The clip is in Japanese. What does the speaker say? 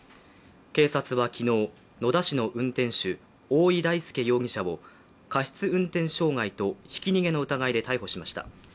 警察は昨日、野田市の運転手大井大輔容疑者を過失運転傷害とひき逃げの疑いで逮捕しました。